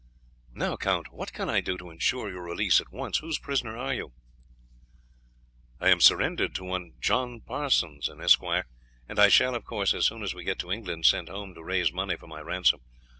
"Now, Count, what can I do to ensure your release at once? Whose prisoner are you?" "I surrendered to one John Parsons, an esquire, and I shall, of course, as soon as we get to England, send home to raise money for my ransom."